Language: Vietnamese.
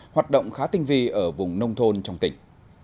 hoạt động khá tinh vi ở vùng nông thôn trong tỉnh